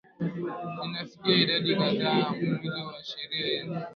zinafikia idadi kadhaa Mwili wa sheria hizi